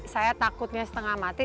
saya takutnya setengah mati